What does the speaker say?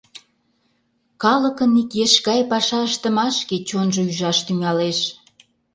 Калыкын ик еш гай паша ыштымашке чонжо ӱжаш тӱҥалеш...